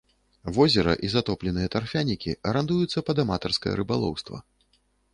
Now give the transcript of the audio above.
Возера і затопленыя тарфянікі арандуюцца пад аматарскае рыбалоўства.